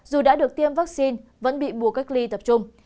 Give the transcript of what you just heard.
dù đã được tiêm vaccine vẫn bị buộc cách ly tập trung